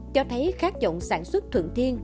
cho thấy khác dọng sản xuất thuận thiên